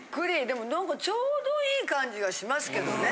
でもなんかちょうどいい感じがしますけどね。